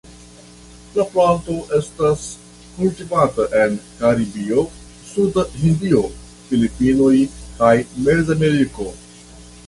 La planto estas kultivata en Karibio suda Hindio, Filipinoj kaj Mezameriko.